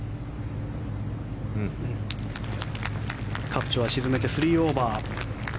カプチョは沈めて３オーバー。